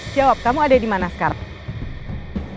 jawab kamu ada dimana sekarang